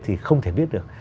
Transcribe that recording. thì không thể biết được